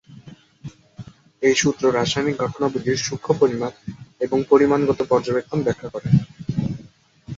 এই সূত্র রাসায়নিক ঘটনাবলির সূক্ষ পরিমাপ এবং পরিমাণগত পর্যবেক্ষণ ব্যাখ্যা করে।